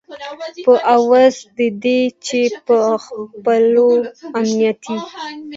په عوض د دې چې په خپلو امنیتي